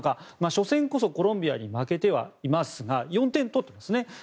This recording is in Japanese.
初戦こそコロンビアに負けてはいますが４点取ってるんですね。